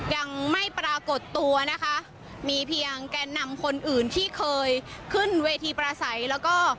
ยังไม่ปรากฏตัวนะคะมีเพียงแกนนำคนอื่นที่เคยขึ้นเวทีประสัยแล้วก็